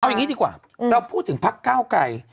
เอาอย่างนี้ดีกว่าเราพูดถึงพักเก้าไกร